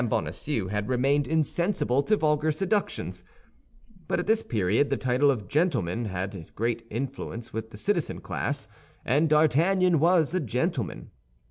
Bonacieux had remained insensible to vulgar seductions; but at this period the title of gentleman had great influence with the citizen class, and D'Artagnan was a gentleman.